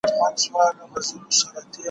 سل لكۍ په ځان پسې كړلې يو سري